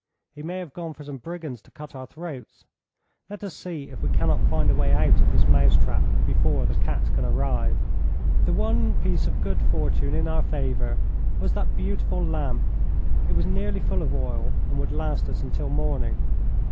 'He may have gone for some brigands to cut our throats. Let us see if we cannot find a way out of this mouse trap before the cat can arrive.' The one piece of good fortune in our favour was that beautiful lamp. It was nearly full of oil, and would last us until morning.